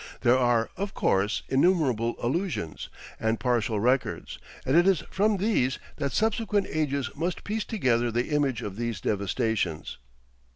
There are, of course, innumerable allusions and partial records, and it is from these that subsequent ages must piece together the image of these devastations.